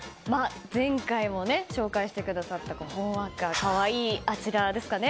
前回も紹介してくださったほんわか可愛いあちらですかね。